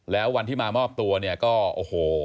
แล้ววันที่มามอบตัวเนี่ยก็โอ้โห